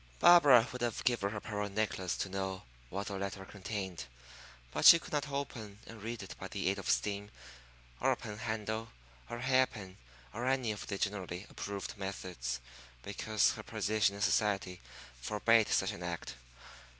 Barbara would have given her pearl necklace to know what the letter contained; but she could not open and read it by the aid of steam, or a pen handle, or a hair pin, or any of the generally approved methods, because her position in society forbade such an act.